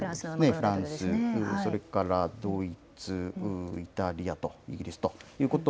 フランス、それからドイツ、イタリアとイギリスということ、